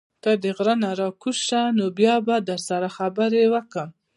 ته د غرۀ نه راکوز شه نو بيا به در سره خبرې وکړم